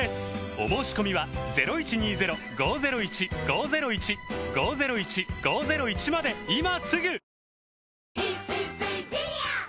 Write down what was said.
お申込みは今すぐ！